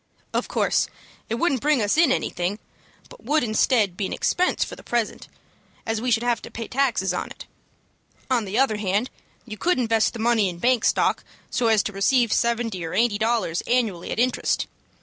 "Of course it wouldn't bring us in anything, but would, instead, be an expense for the present, as we should have to pay taxes on it. On the other hand, you could invest the money in bank stock, so as to receive seventy or eighty dollars annually at interest.